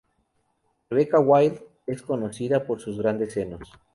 Rebecca Wild es conocida por sus grandes senos.